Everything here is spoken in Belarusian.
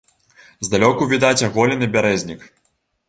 Здалёку відаць аголены бярэзнік.